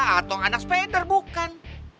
atau anak spider bukan